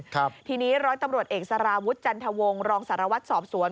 ครับทีนี้ร้อยตำรวจเอกสารวุฒิจันทวงศ์รองสารวัตรสอบสวน